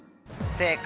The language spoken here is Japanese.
正解！